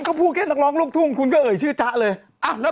คนลูกทุ่งลงมา๑๐ล้านเลย